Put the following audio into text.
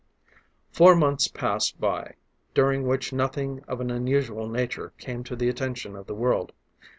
Four months passed by during which nothing of an unusual nature came to the attention of the world.